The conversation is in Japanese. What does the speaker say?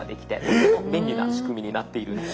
とても便利な仕組みになっているんです。